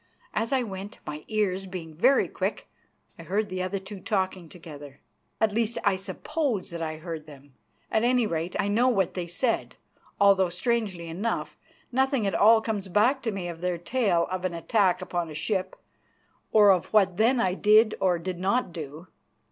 As I went, my ears being very quick, I heard the other two talking together. At least, I suppose that I heard them; at any rate, I know what they said, although, strangely enough, nothing at all comes back to me of their tale of an attack upon a ship or of what then I did or did not do.